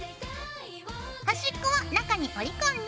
端っこは中に折り込んで貼ります。